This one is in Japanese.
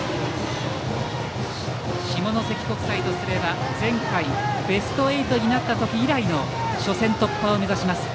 下関国際とすれば前回、ベスト８になった時以来の初戦突破を目指します。